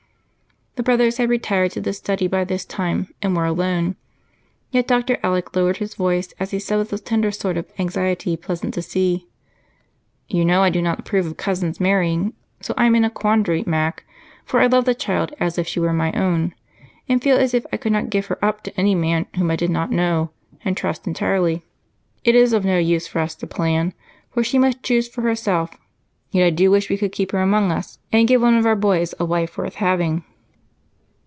The brothers had retired to the study by this time and were alone, yet Dr. Alec lowered his voice as he said with a tender sort of anxiety pleasant to see: "You know I do not approve of cousins marrying, so I'm in a quandary, Mac, for I love the child as if she were my own and feel as if I could not give her up to any man whom I did not know and trust entirely. It is of no use for us to plan, for she must choose for herself yet I do wish we could keep her among us and give one of our boys a wife worth having."